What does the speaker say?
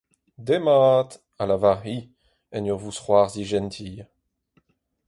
Demat, a lavar-hi en ur vousc'hoarzhin jentil.